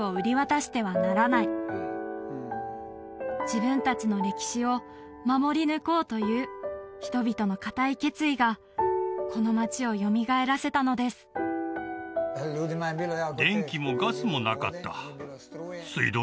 自分達の歴史を守り抜こうという人々の固い決意がこの街をよみがえらせたのですそれでは